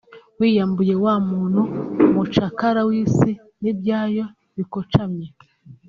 wiyambure wa muntu mucakara w’isi n’ibyayo bikocamye